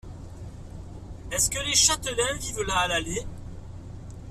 Est-ce que les châtelains vivent là à l’année?